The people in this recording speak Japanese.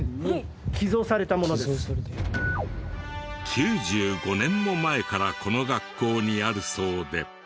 ９５年も前からこの学校にあるそうで。